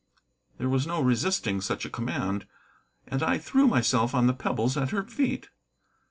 There was no resisting such a command, and I threw myself on the pebbles at her feet.